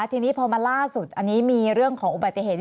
ทีนี้พอมาล่าสุดอันนี้มีเรื่องของอุบัติเหตุ